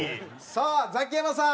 さあザキヤマさん！